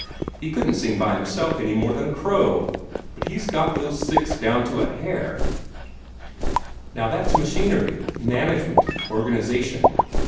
He couldn't sing by himself any more than a crow, but he's got those sixths of his down to a hair. Now that's machinery, management, organization.